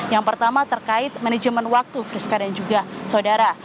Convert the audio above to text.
yang pertama terkait manajemen waktu friska dan juga saudara